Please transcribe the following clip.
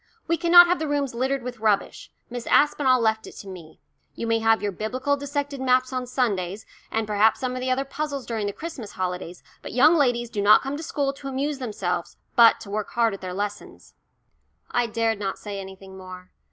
"We cannot have the rooms littered with rubbish. Miss Aspinall left it to me. You may have your Biblical dissected maps on Sundays, and perhaps some of the other puzzles during the Christmas holidays, but young ladies do not come to school to amuse themselves, but to work hard at their lessons." I dared not say anything more.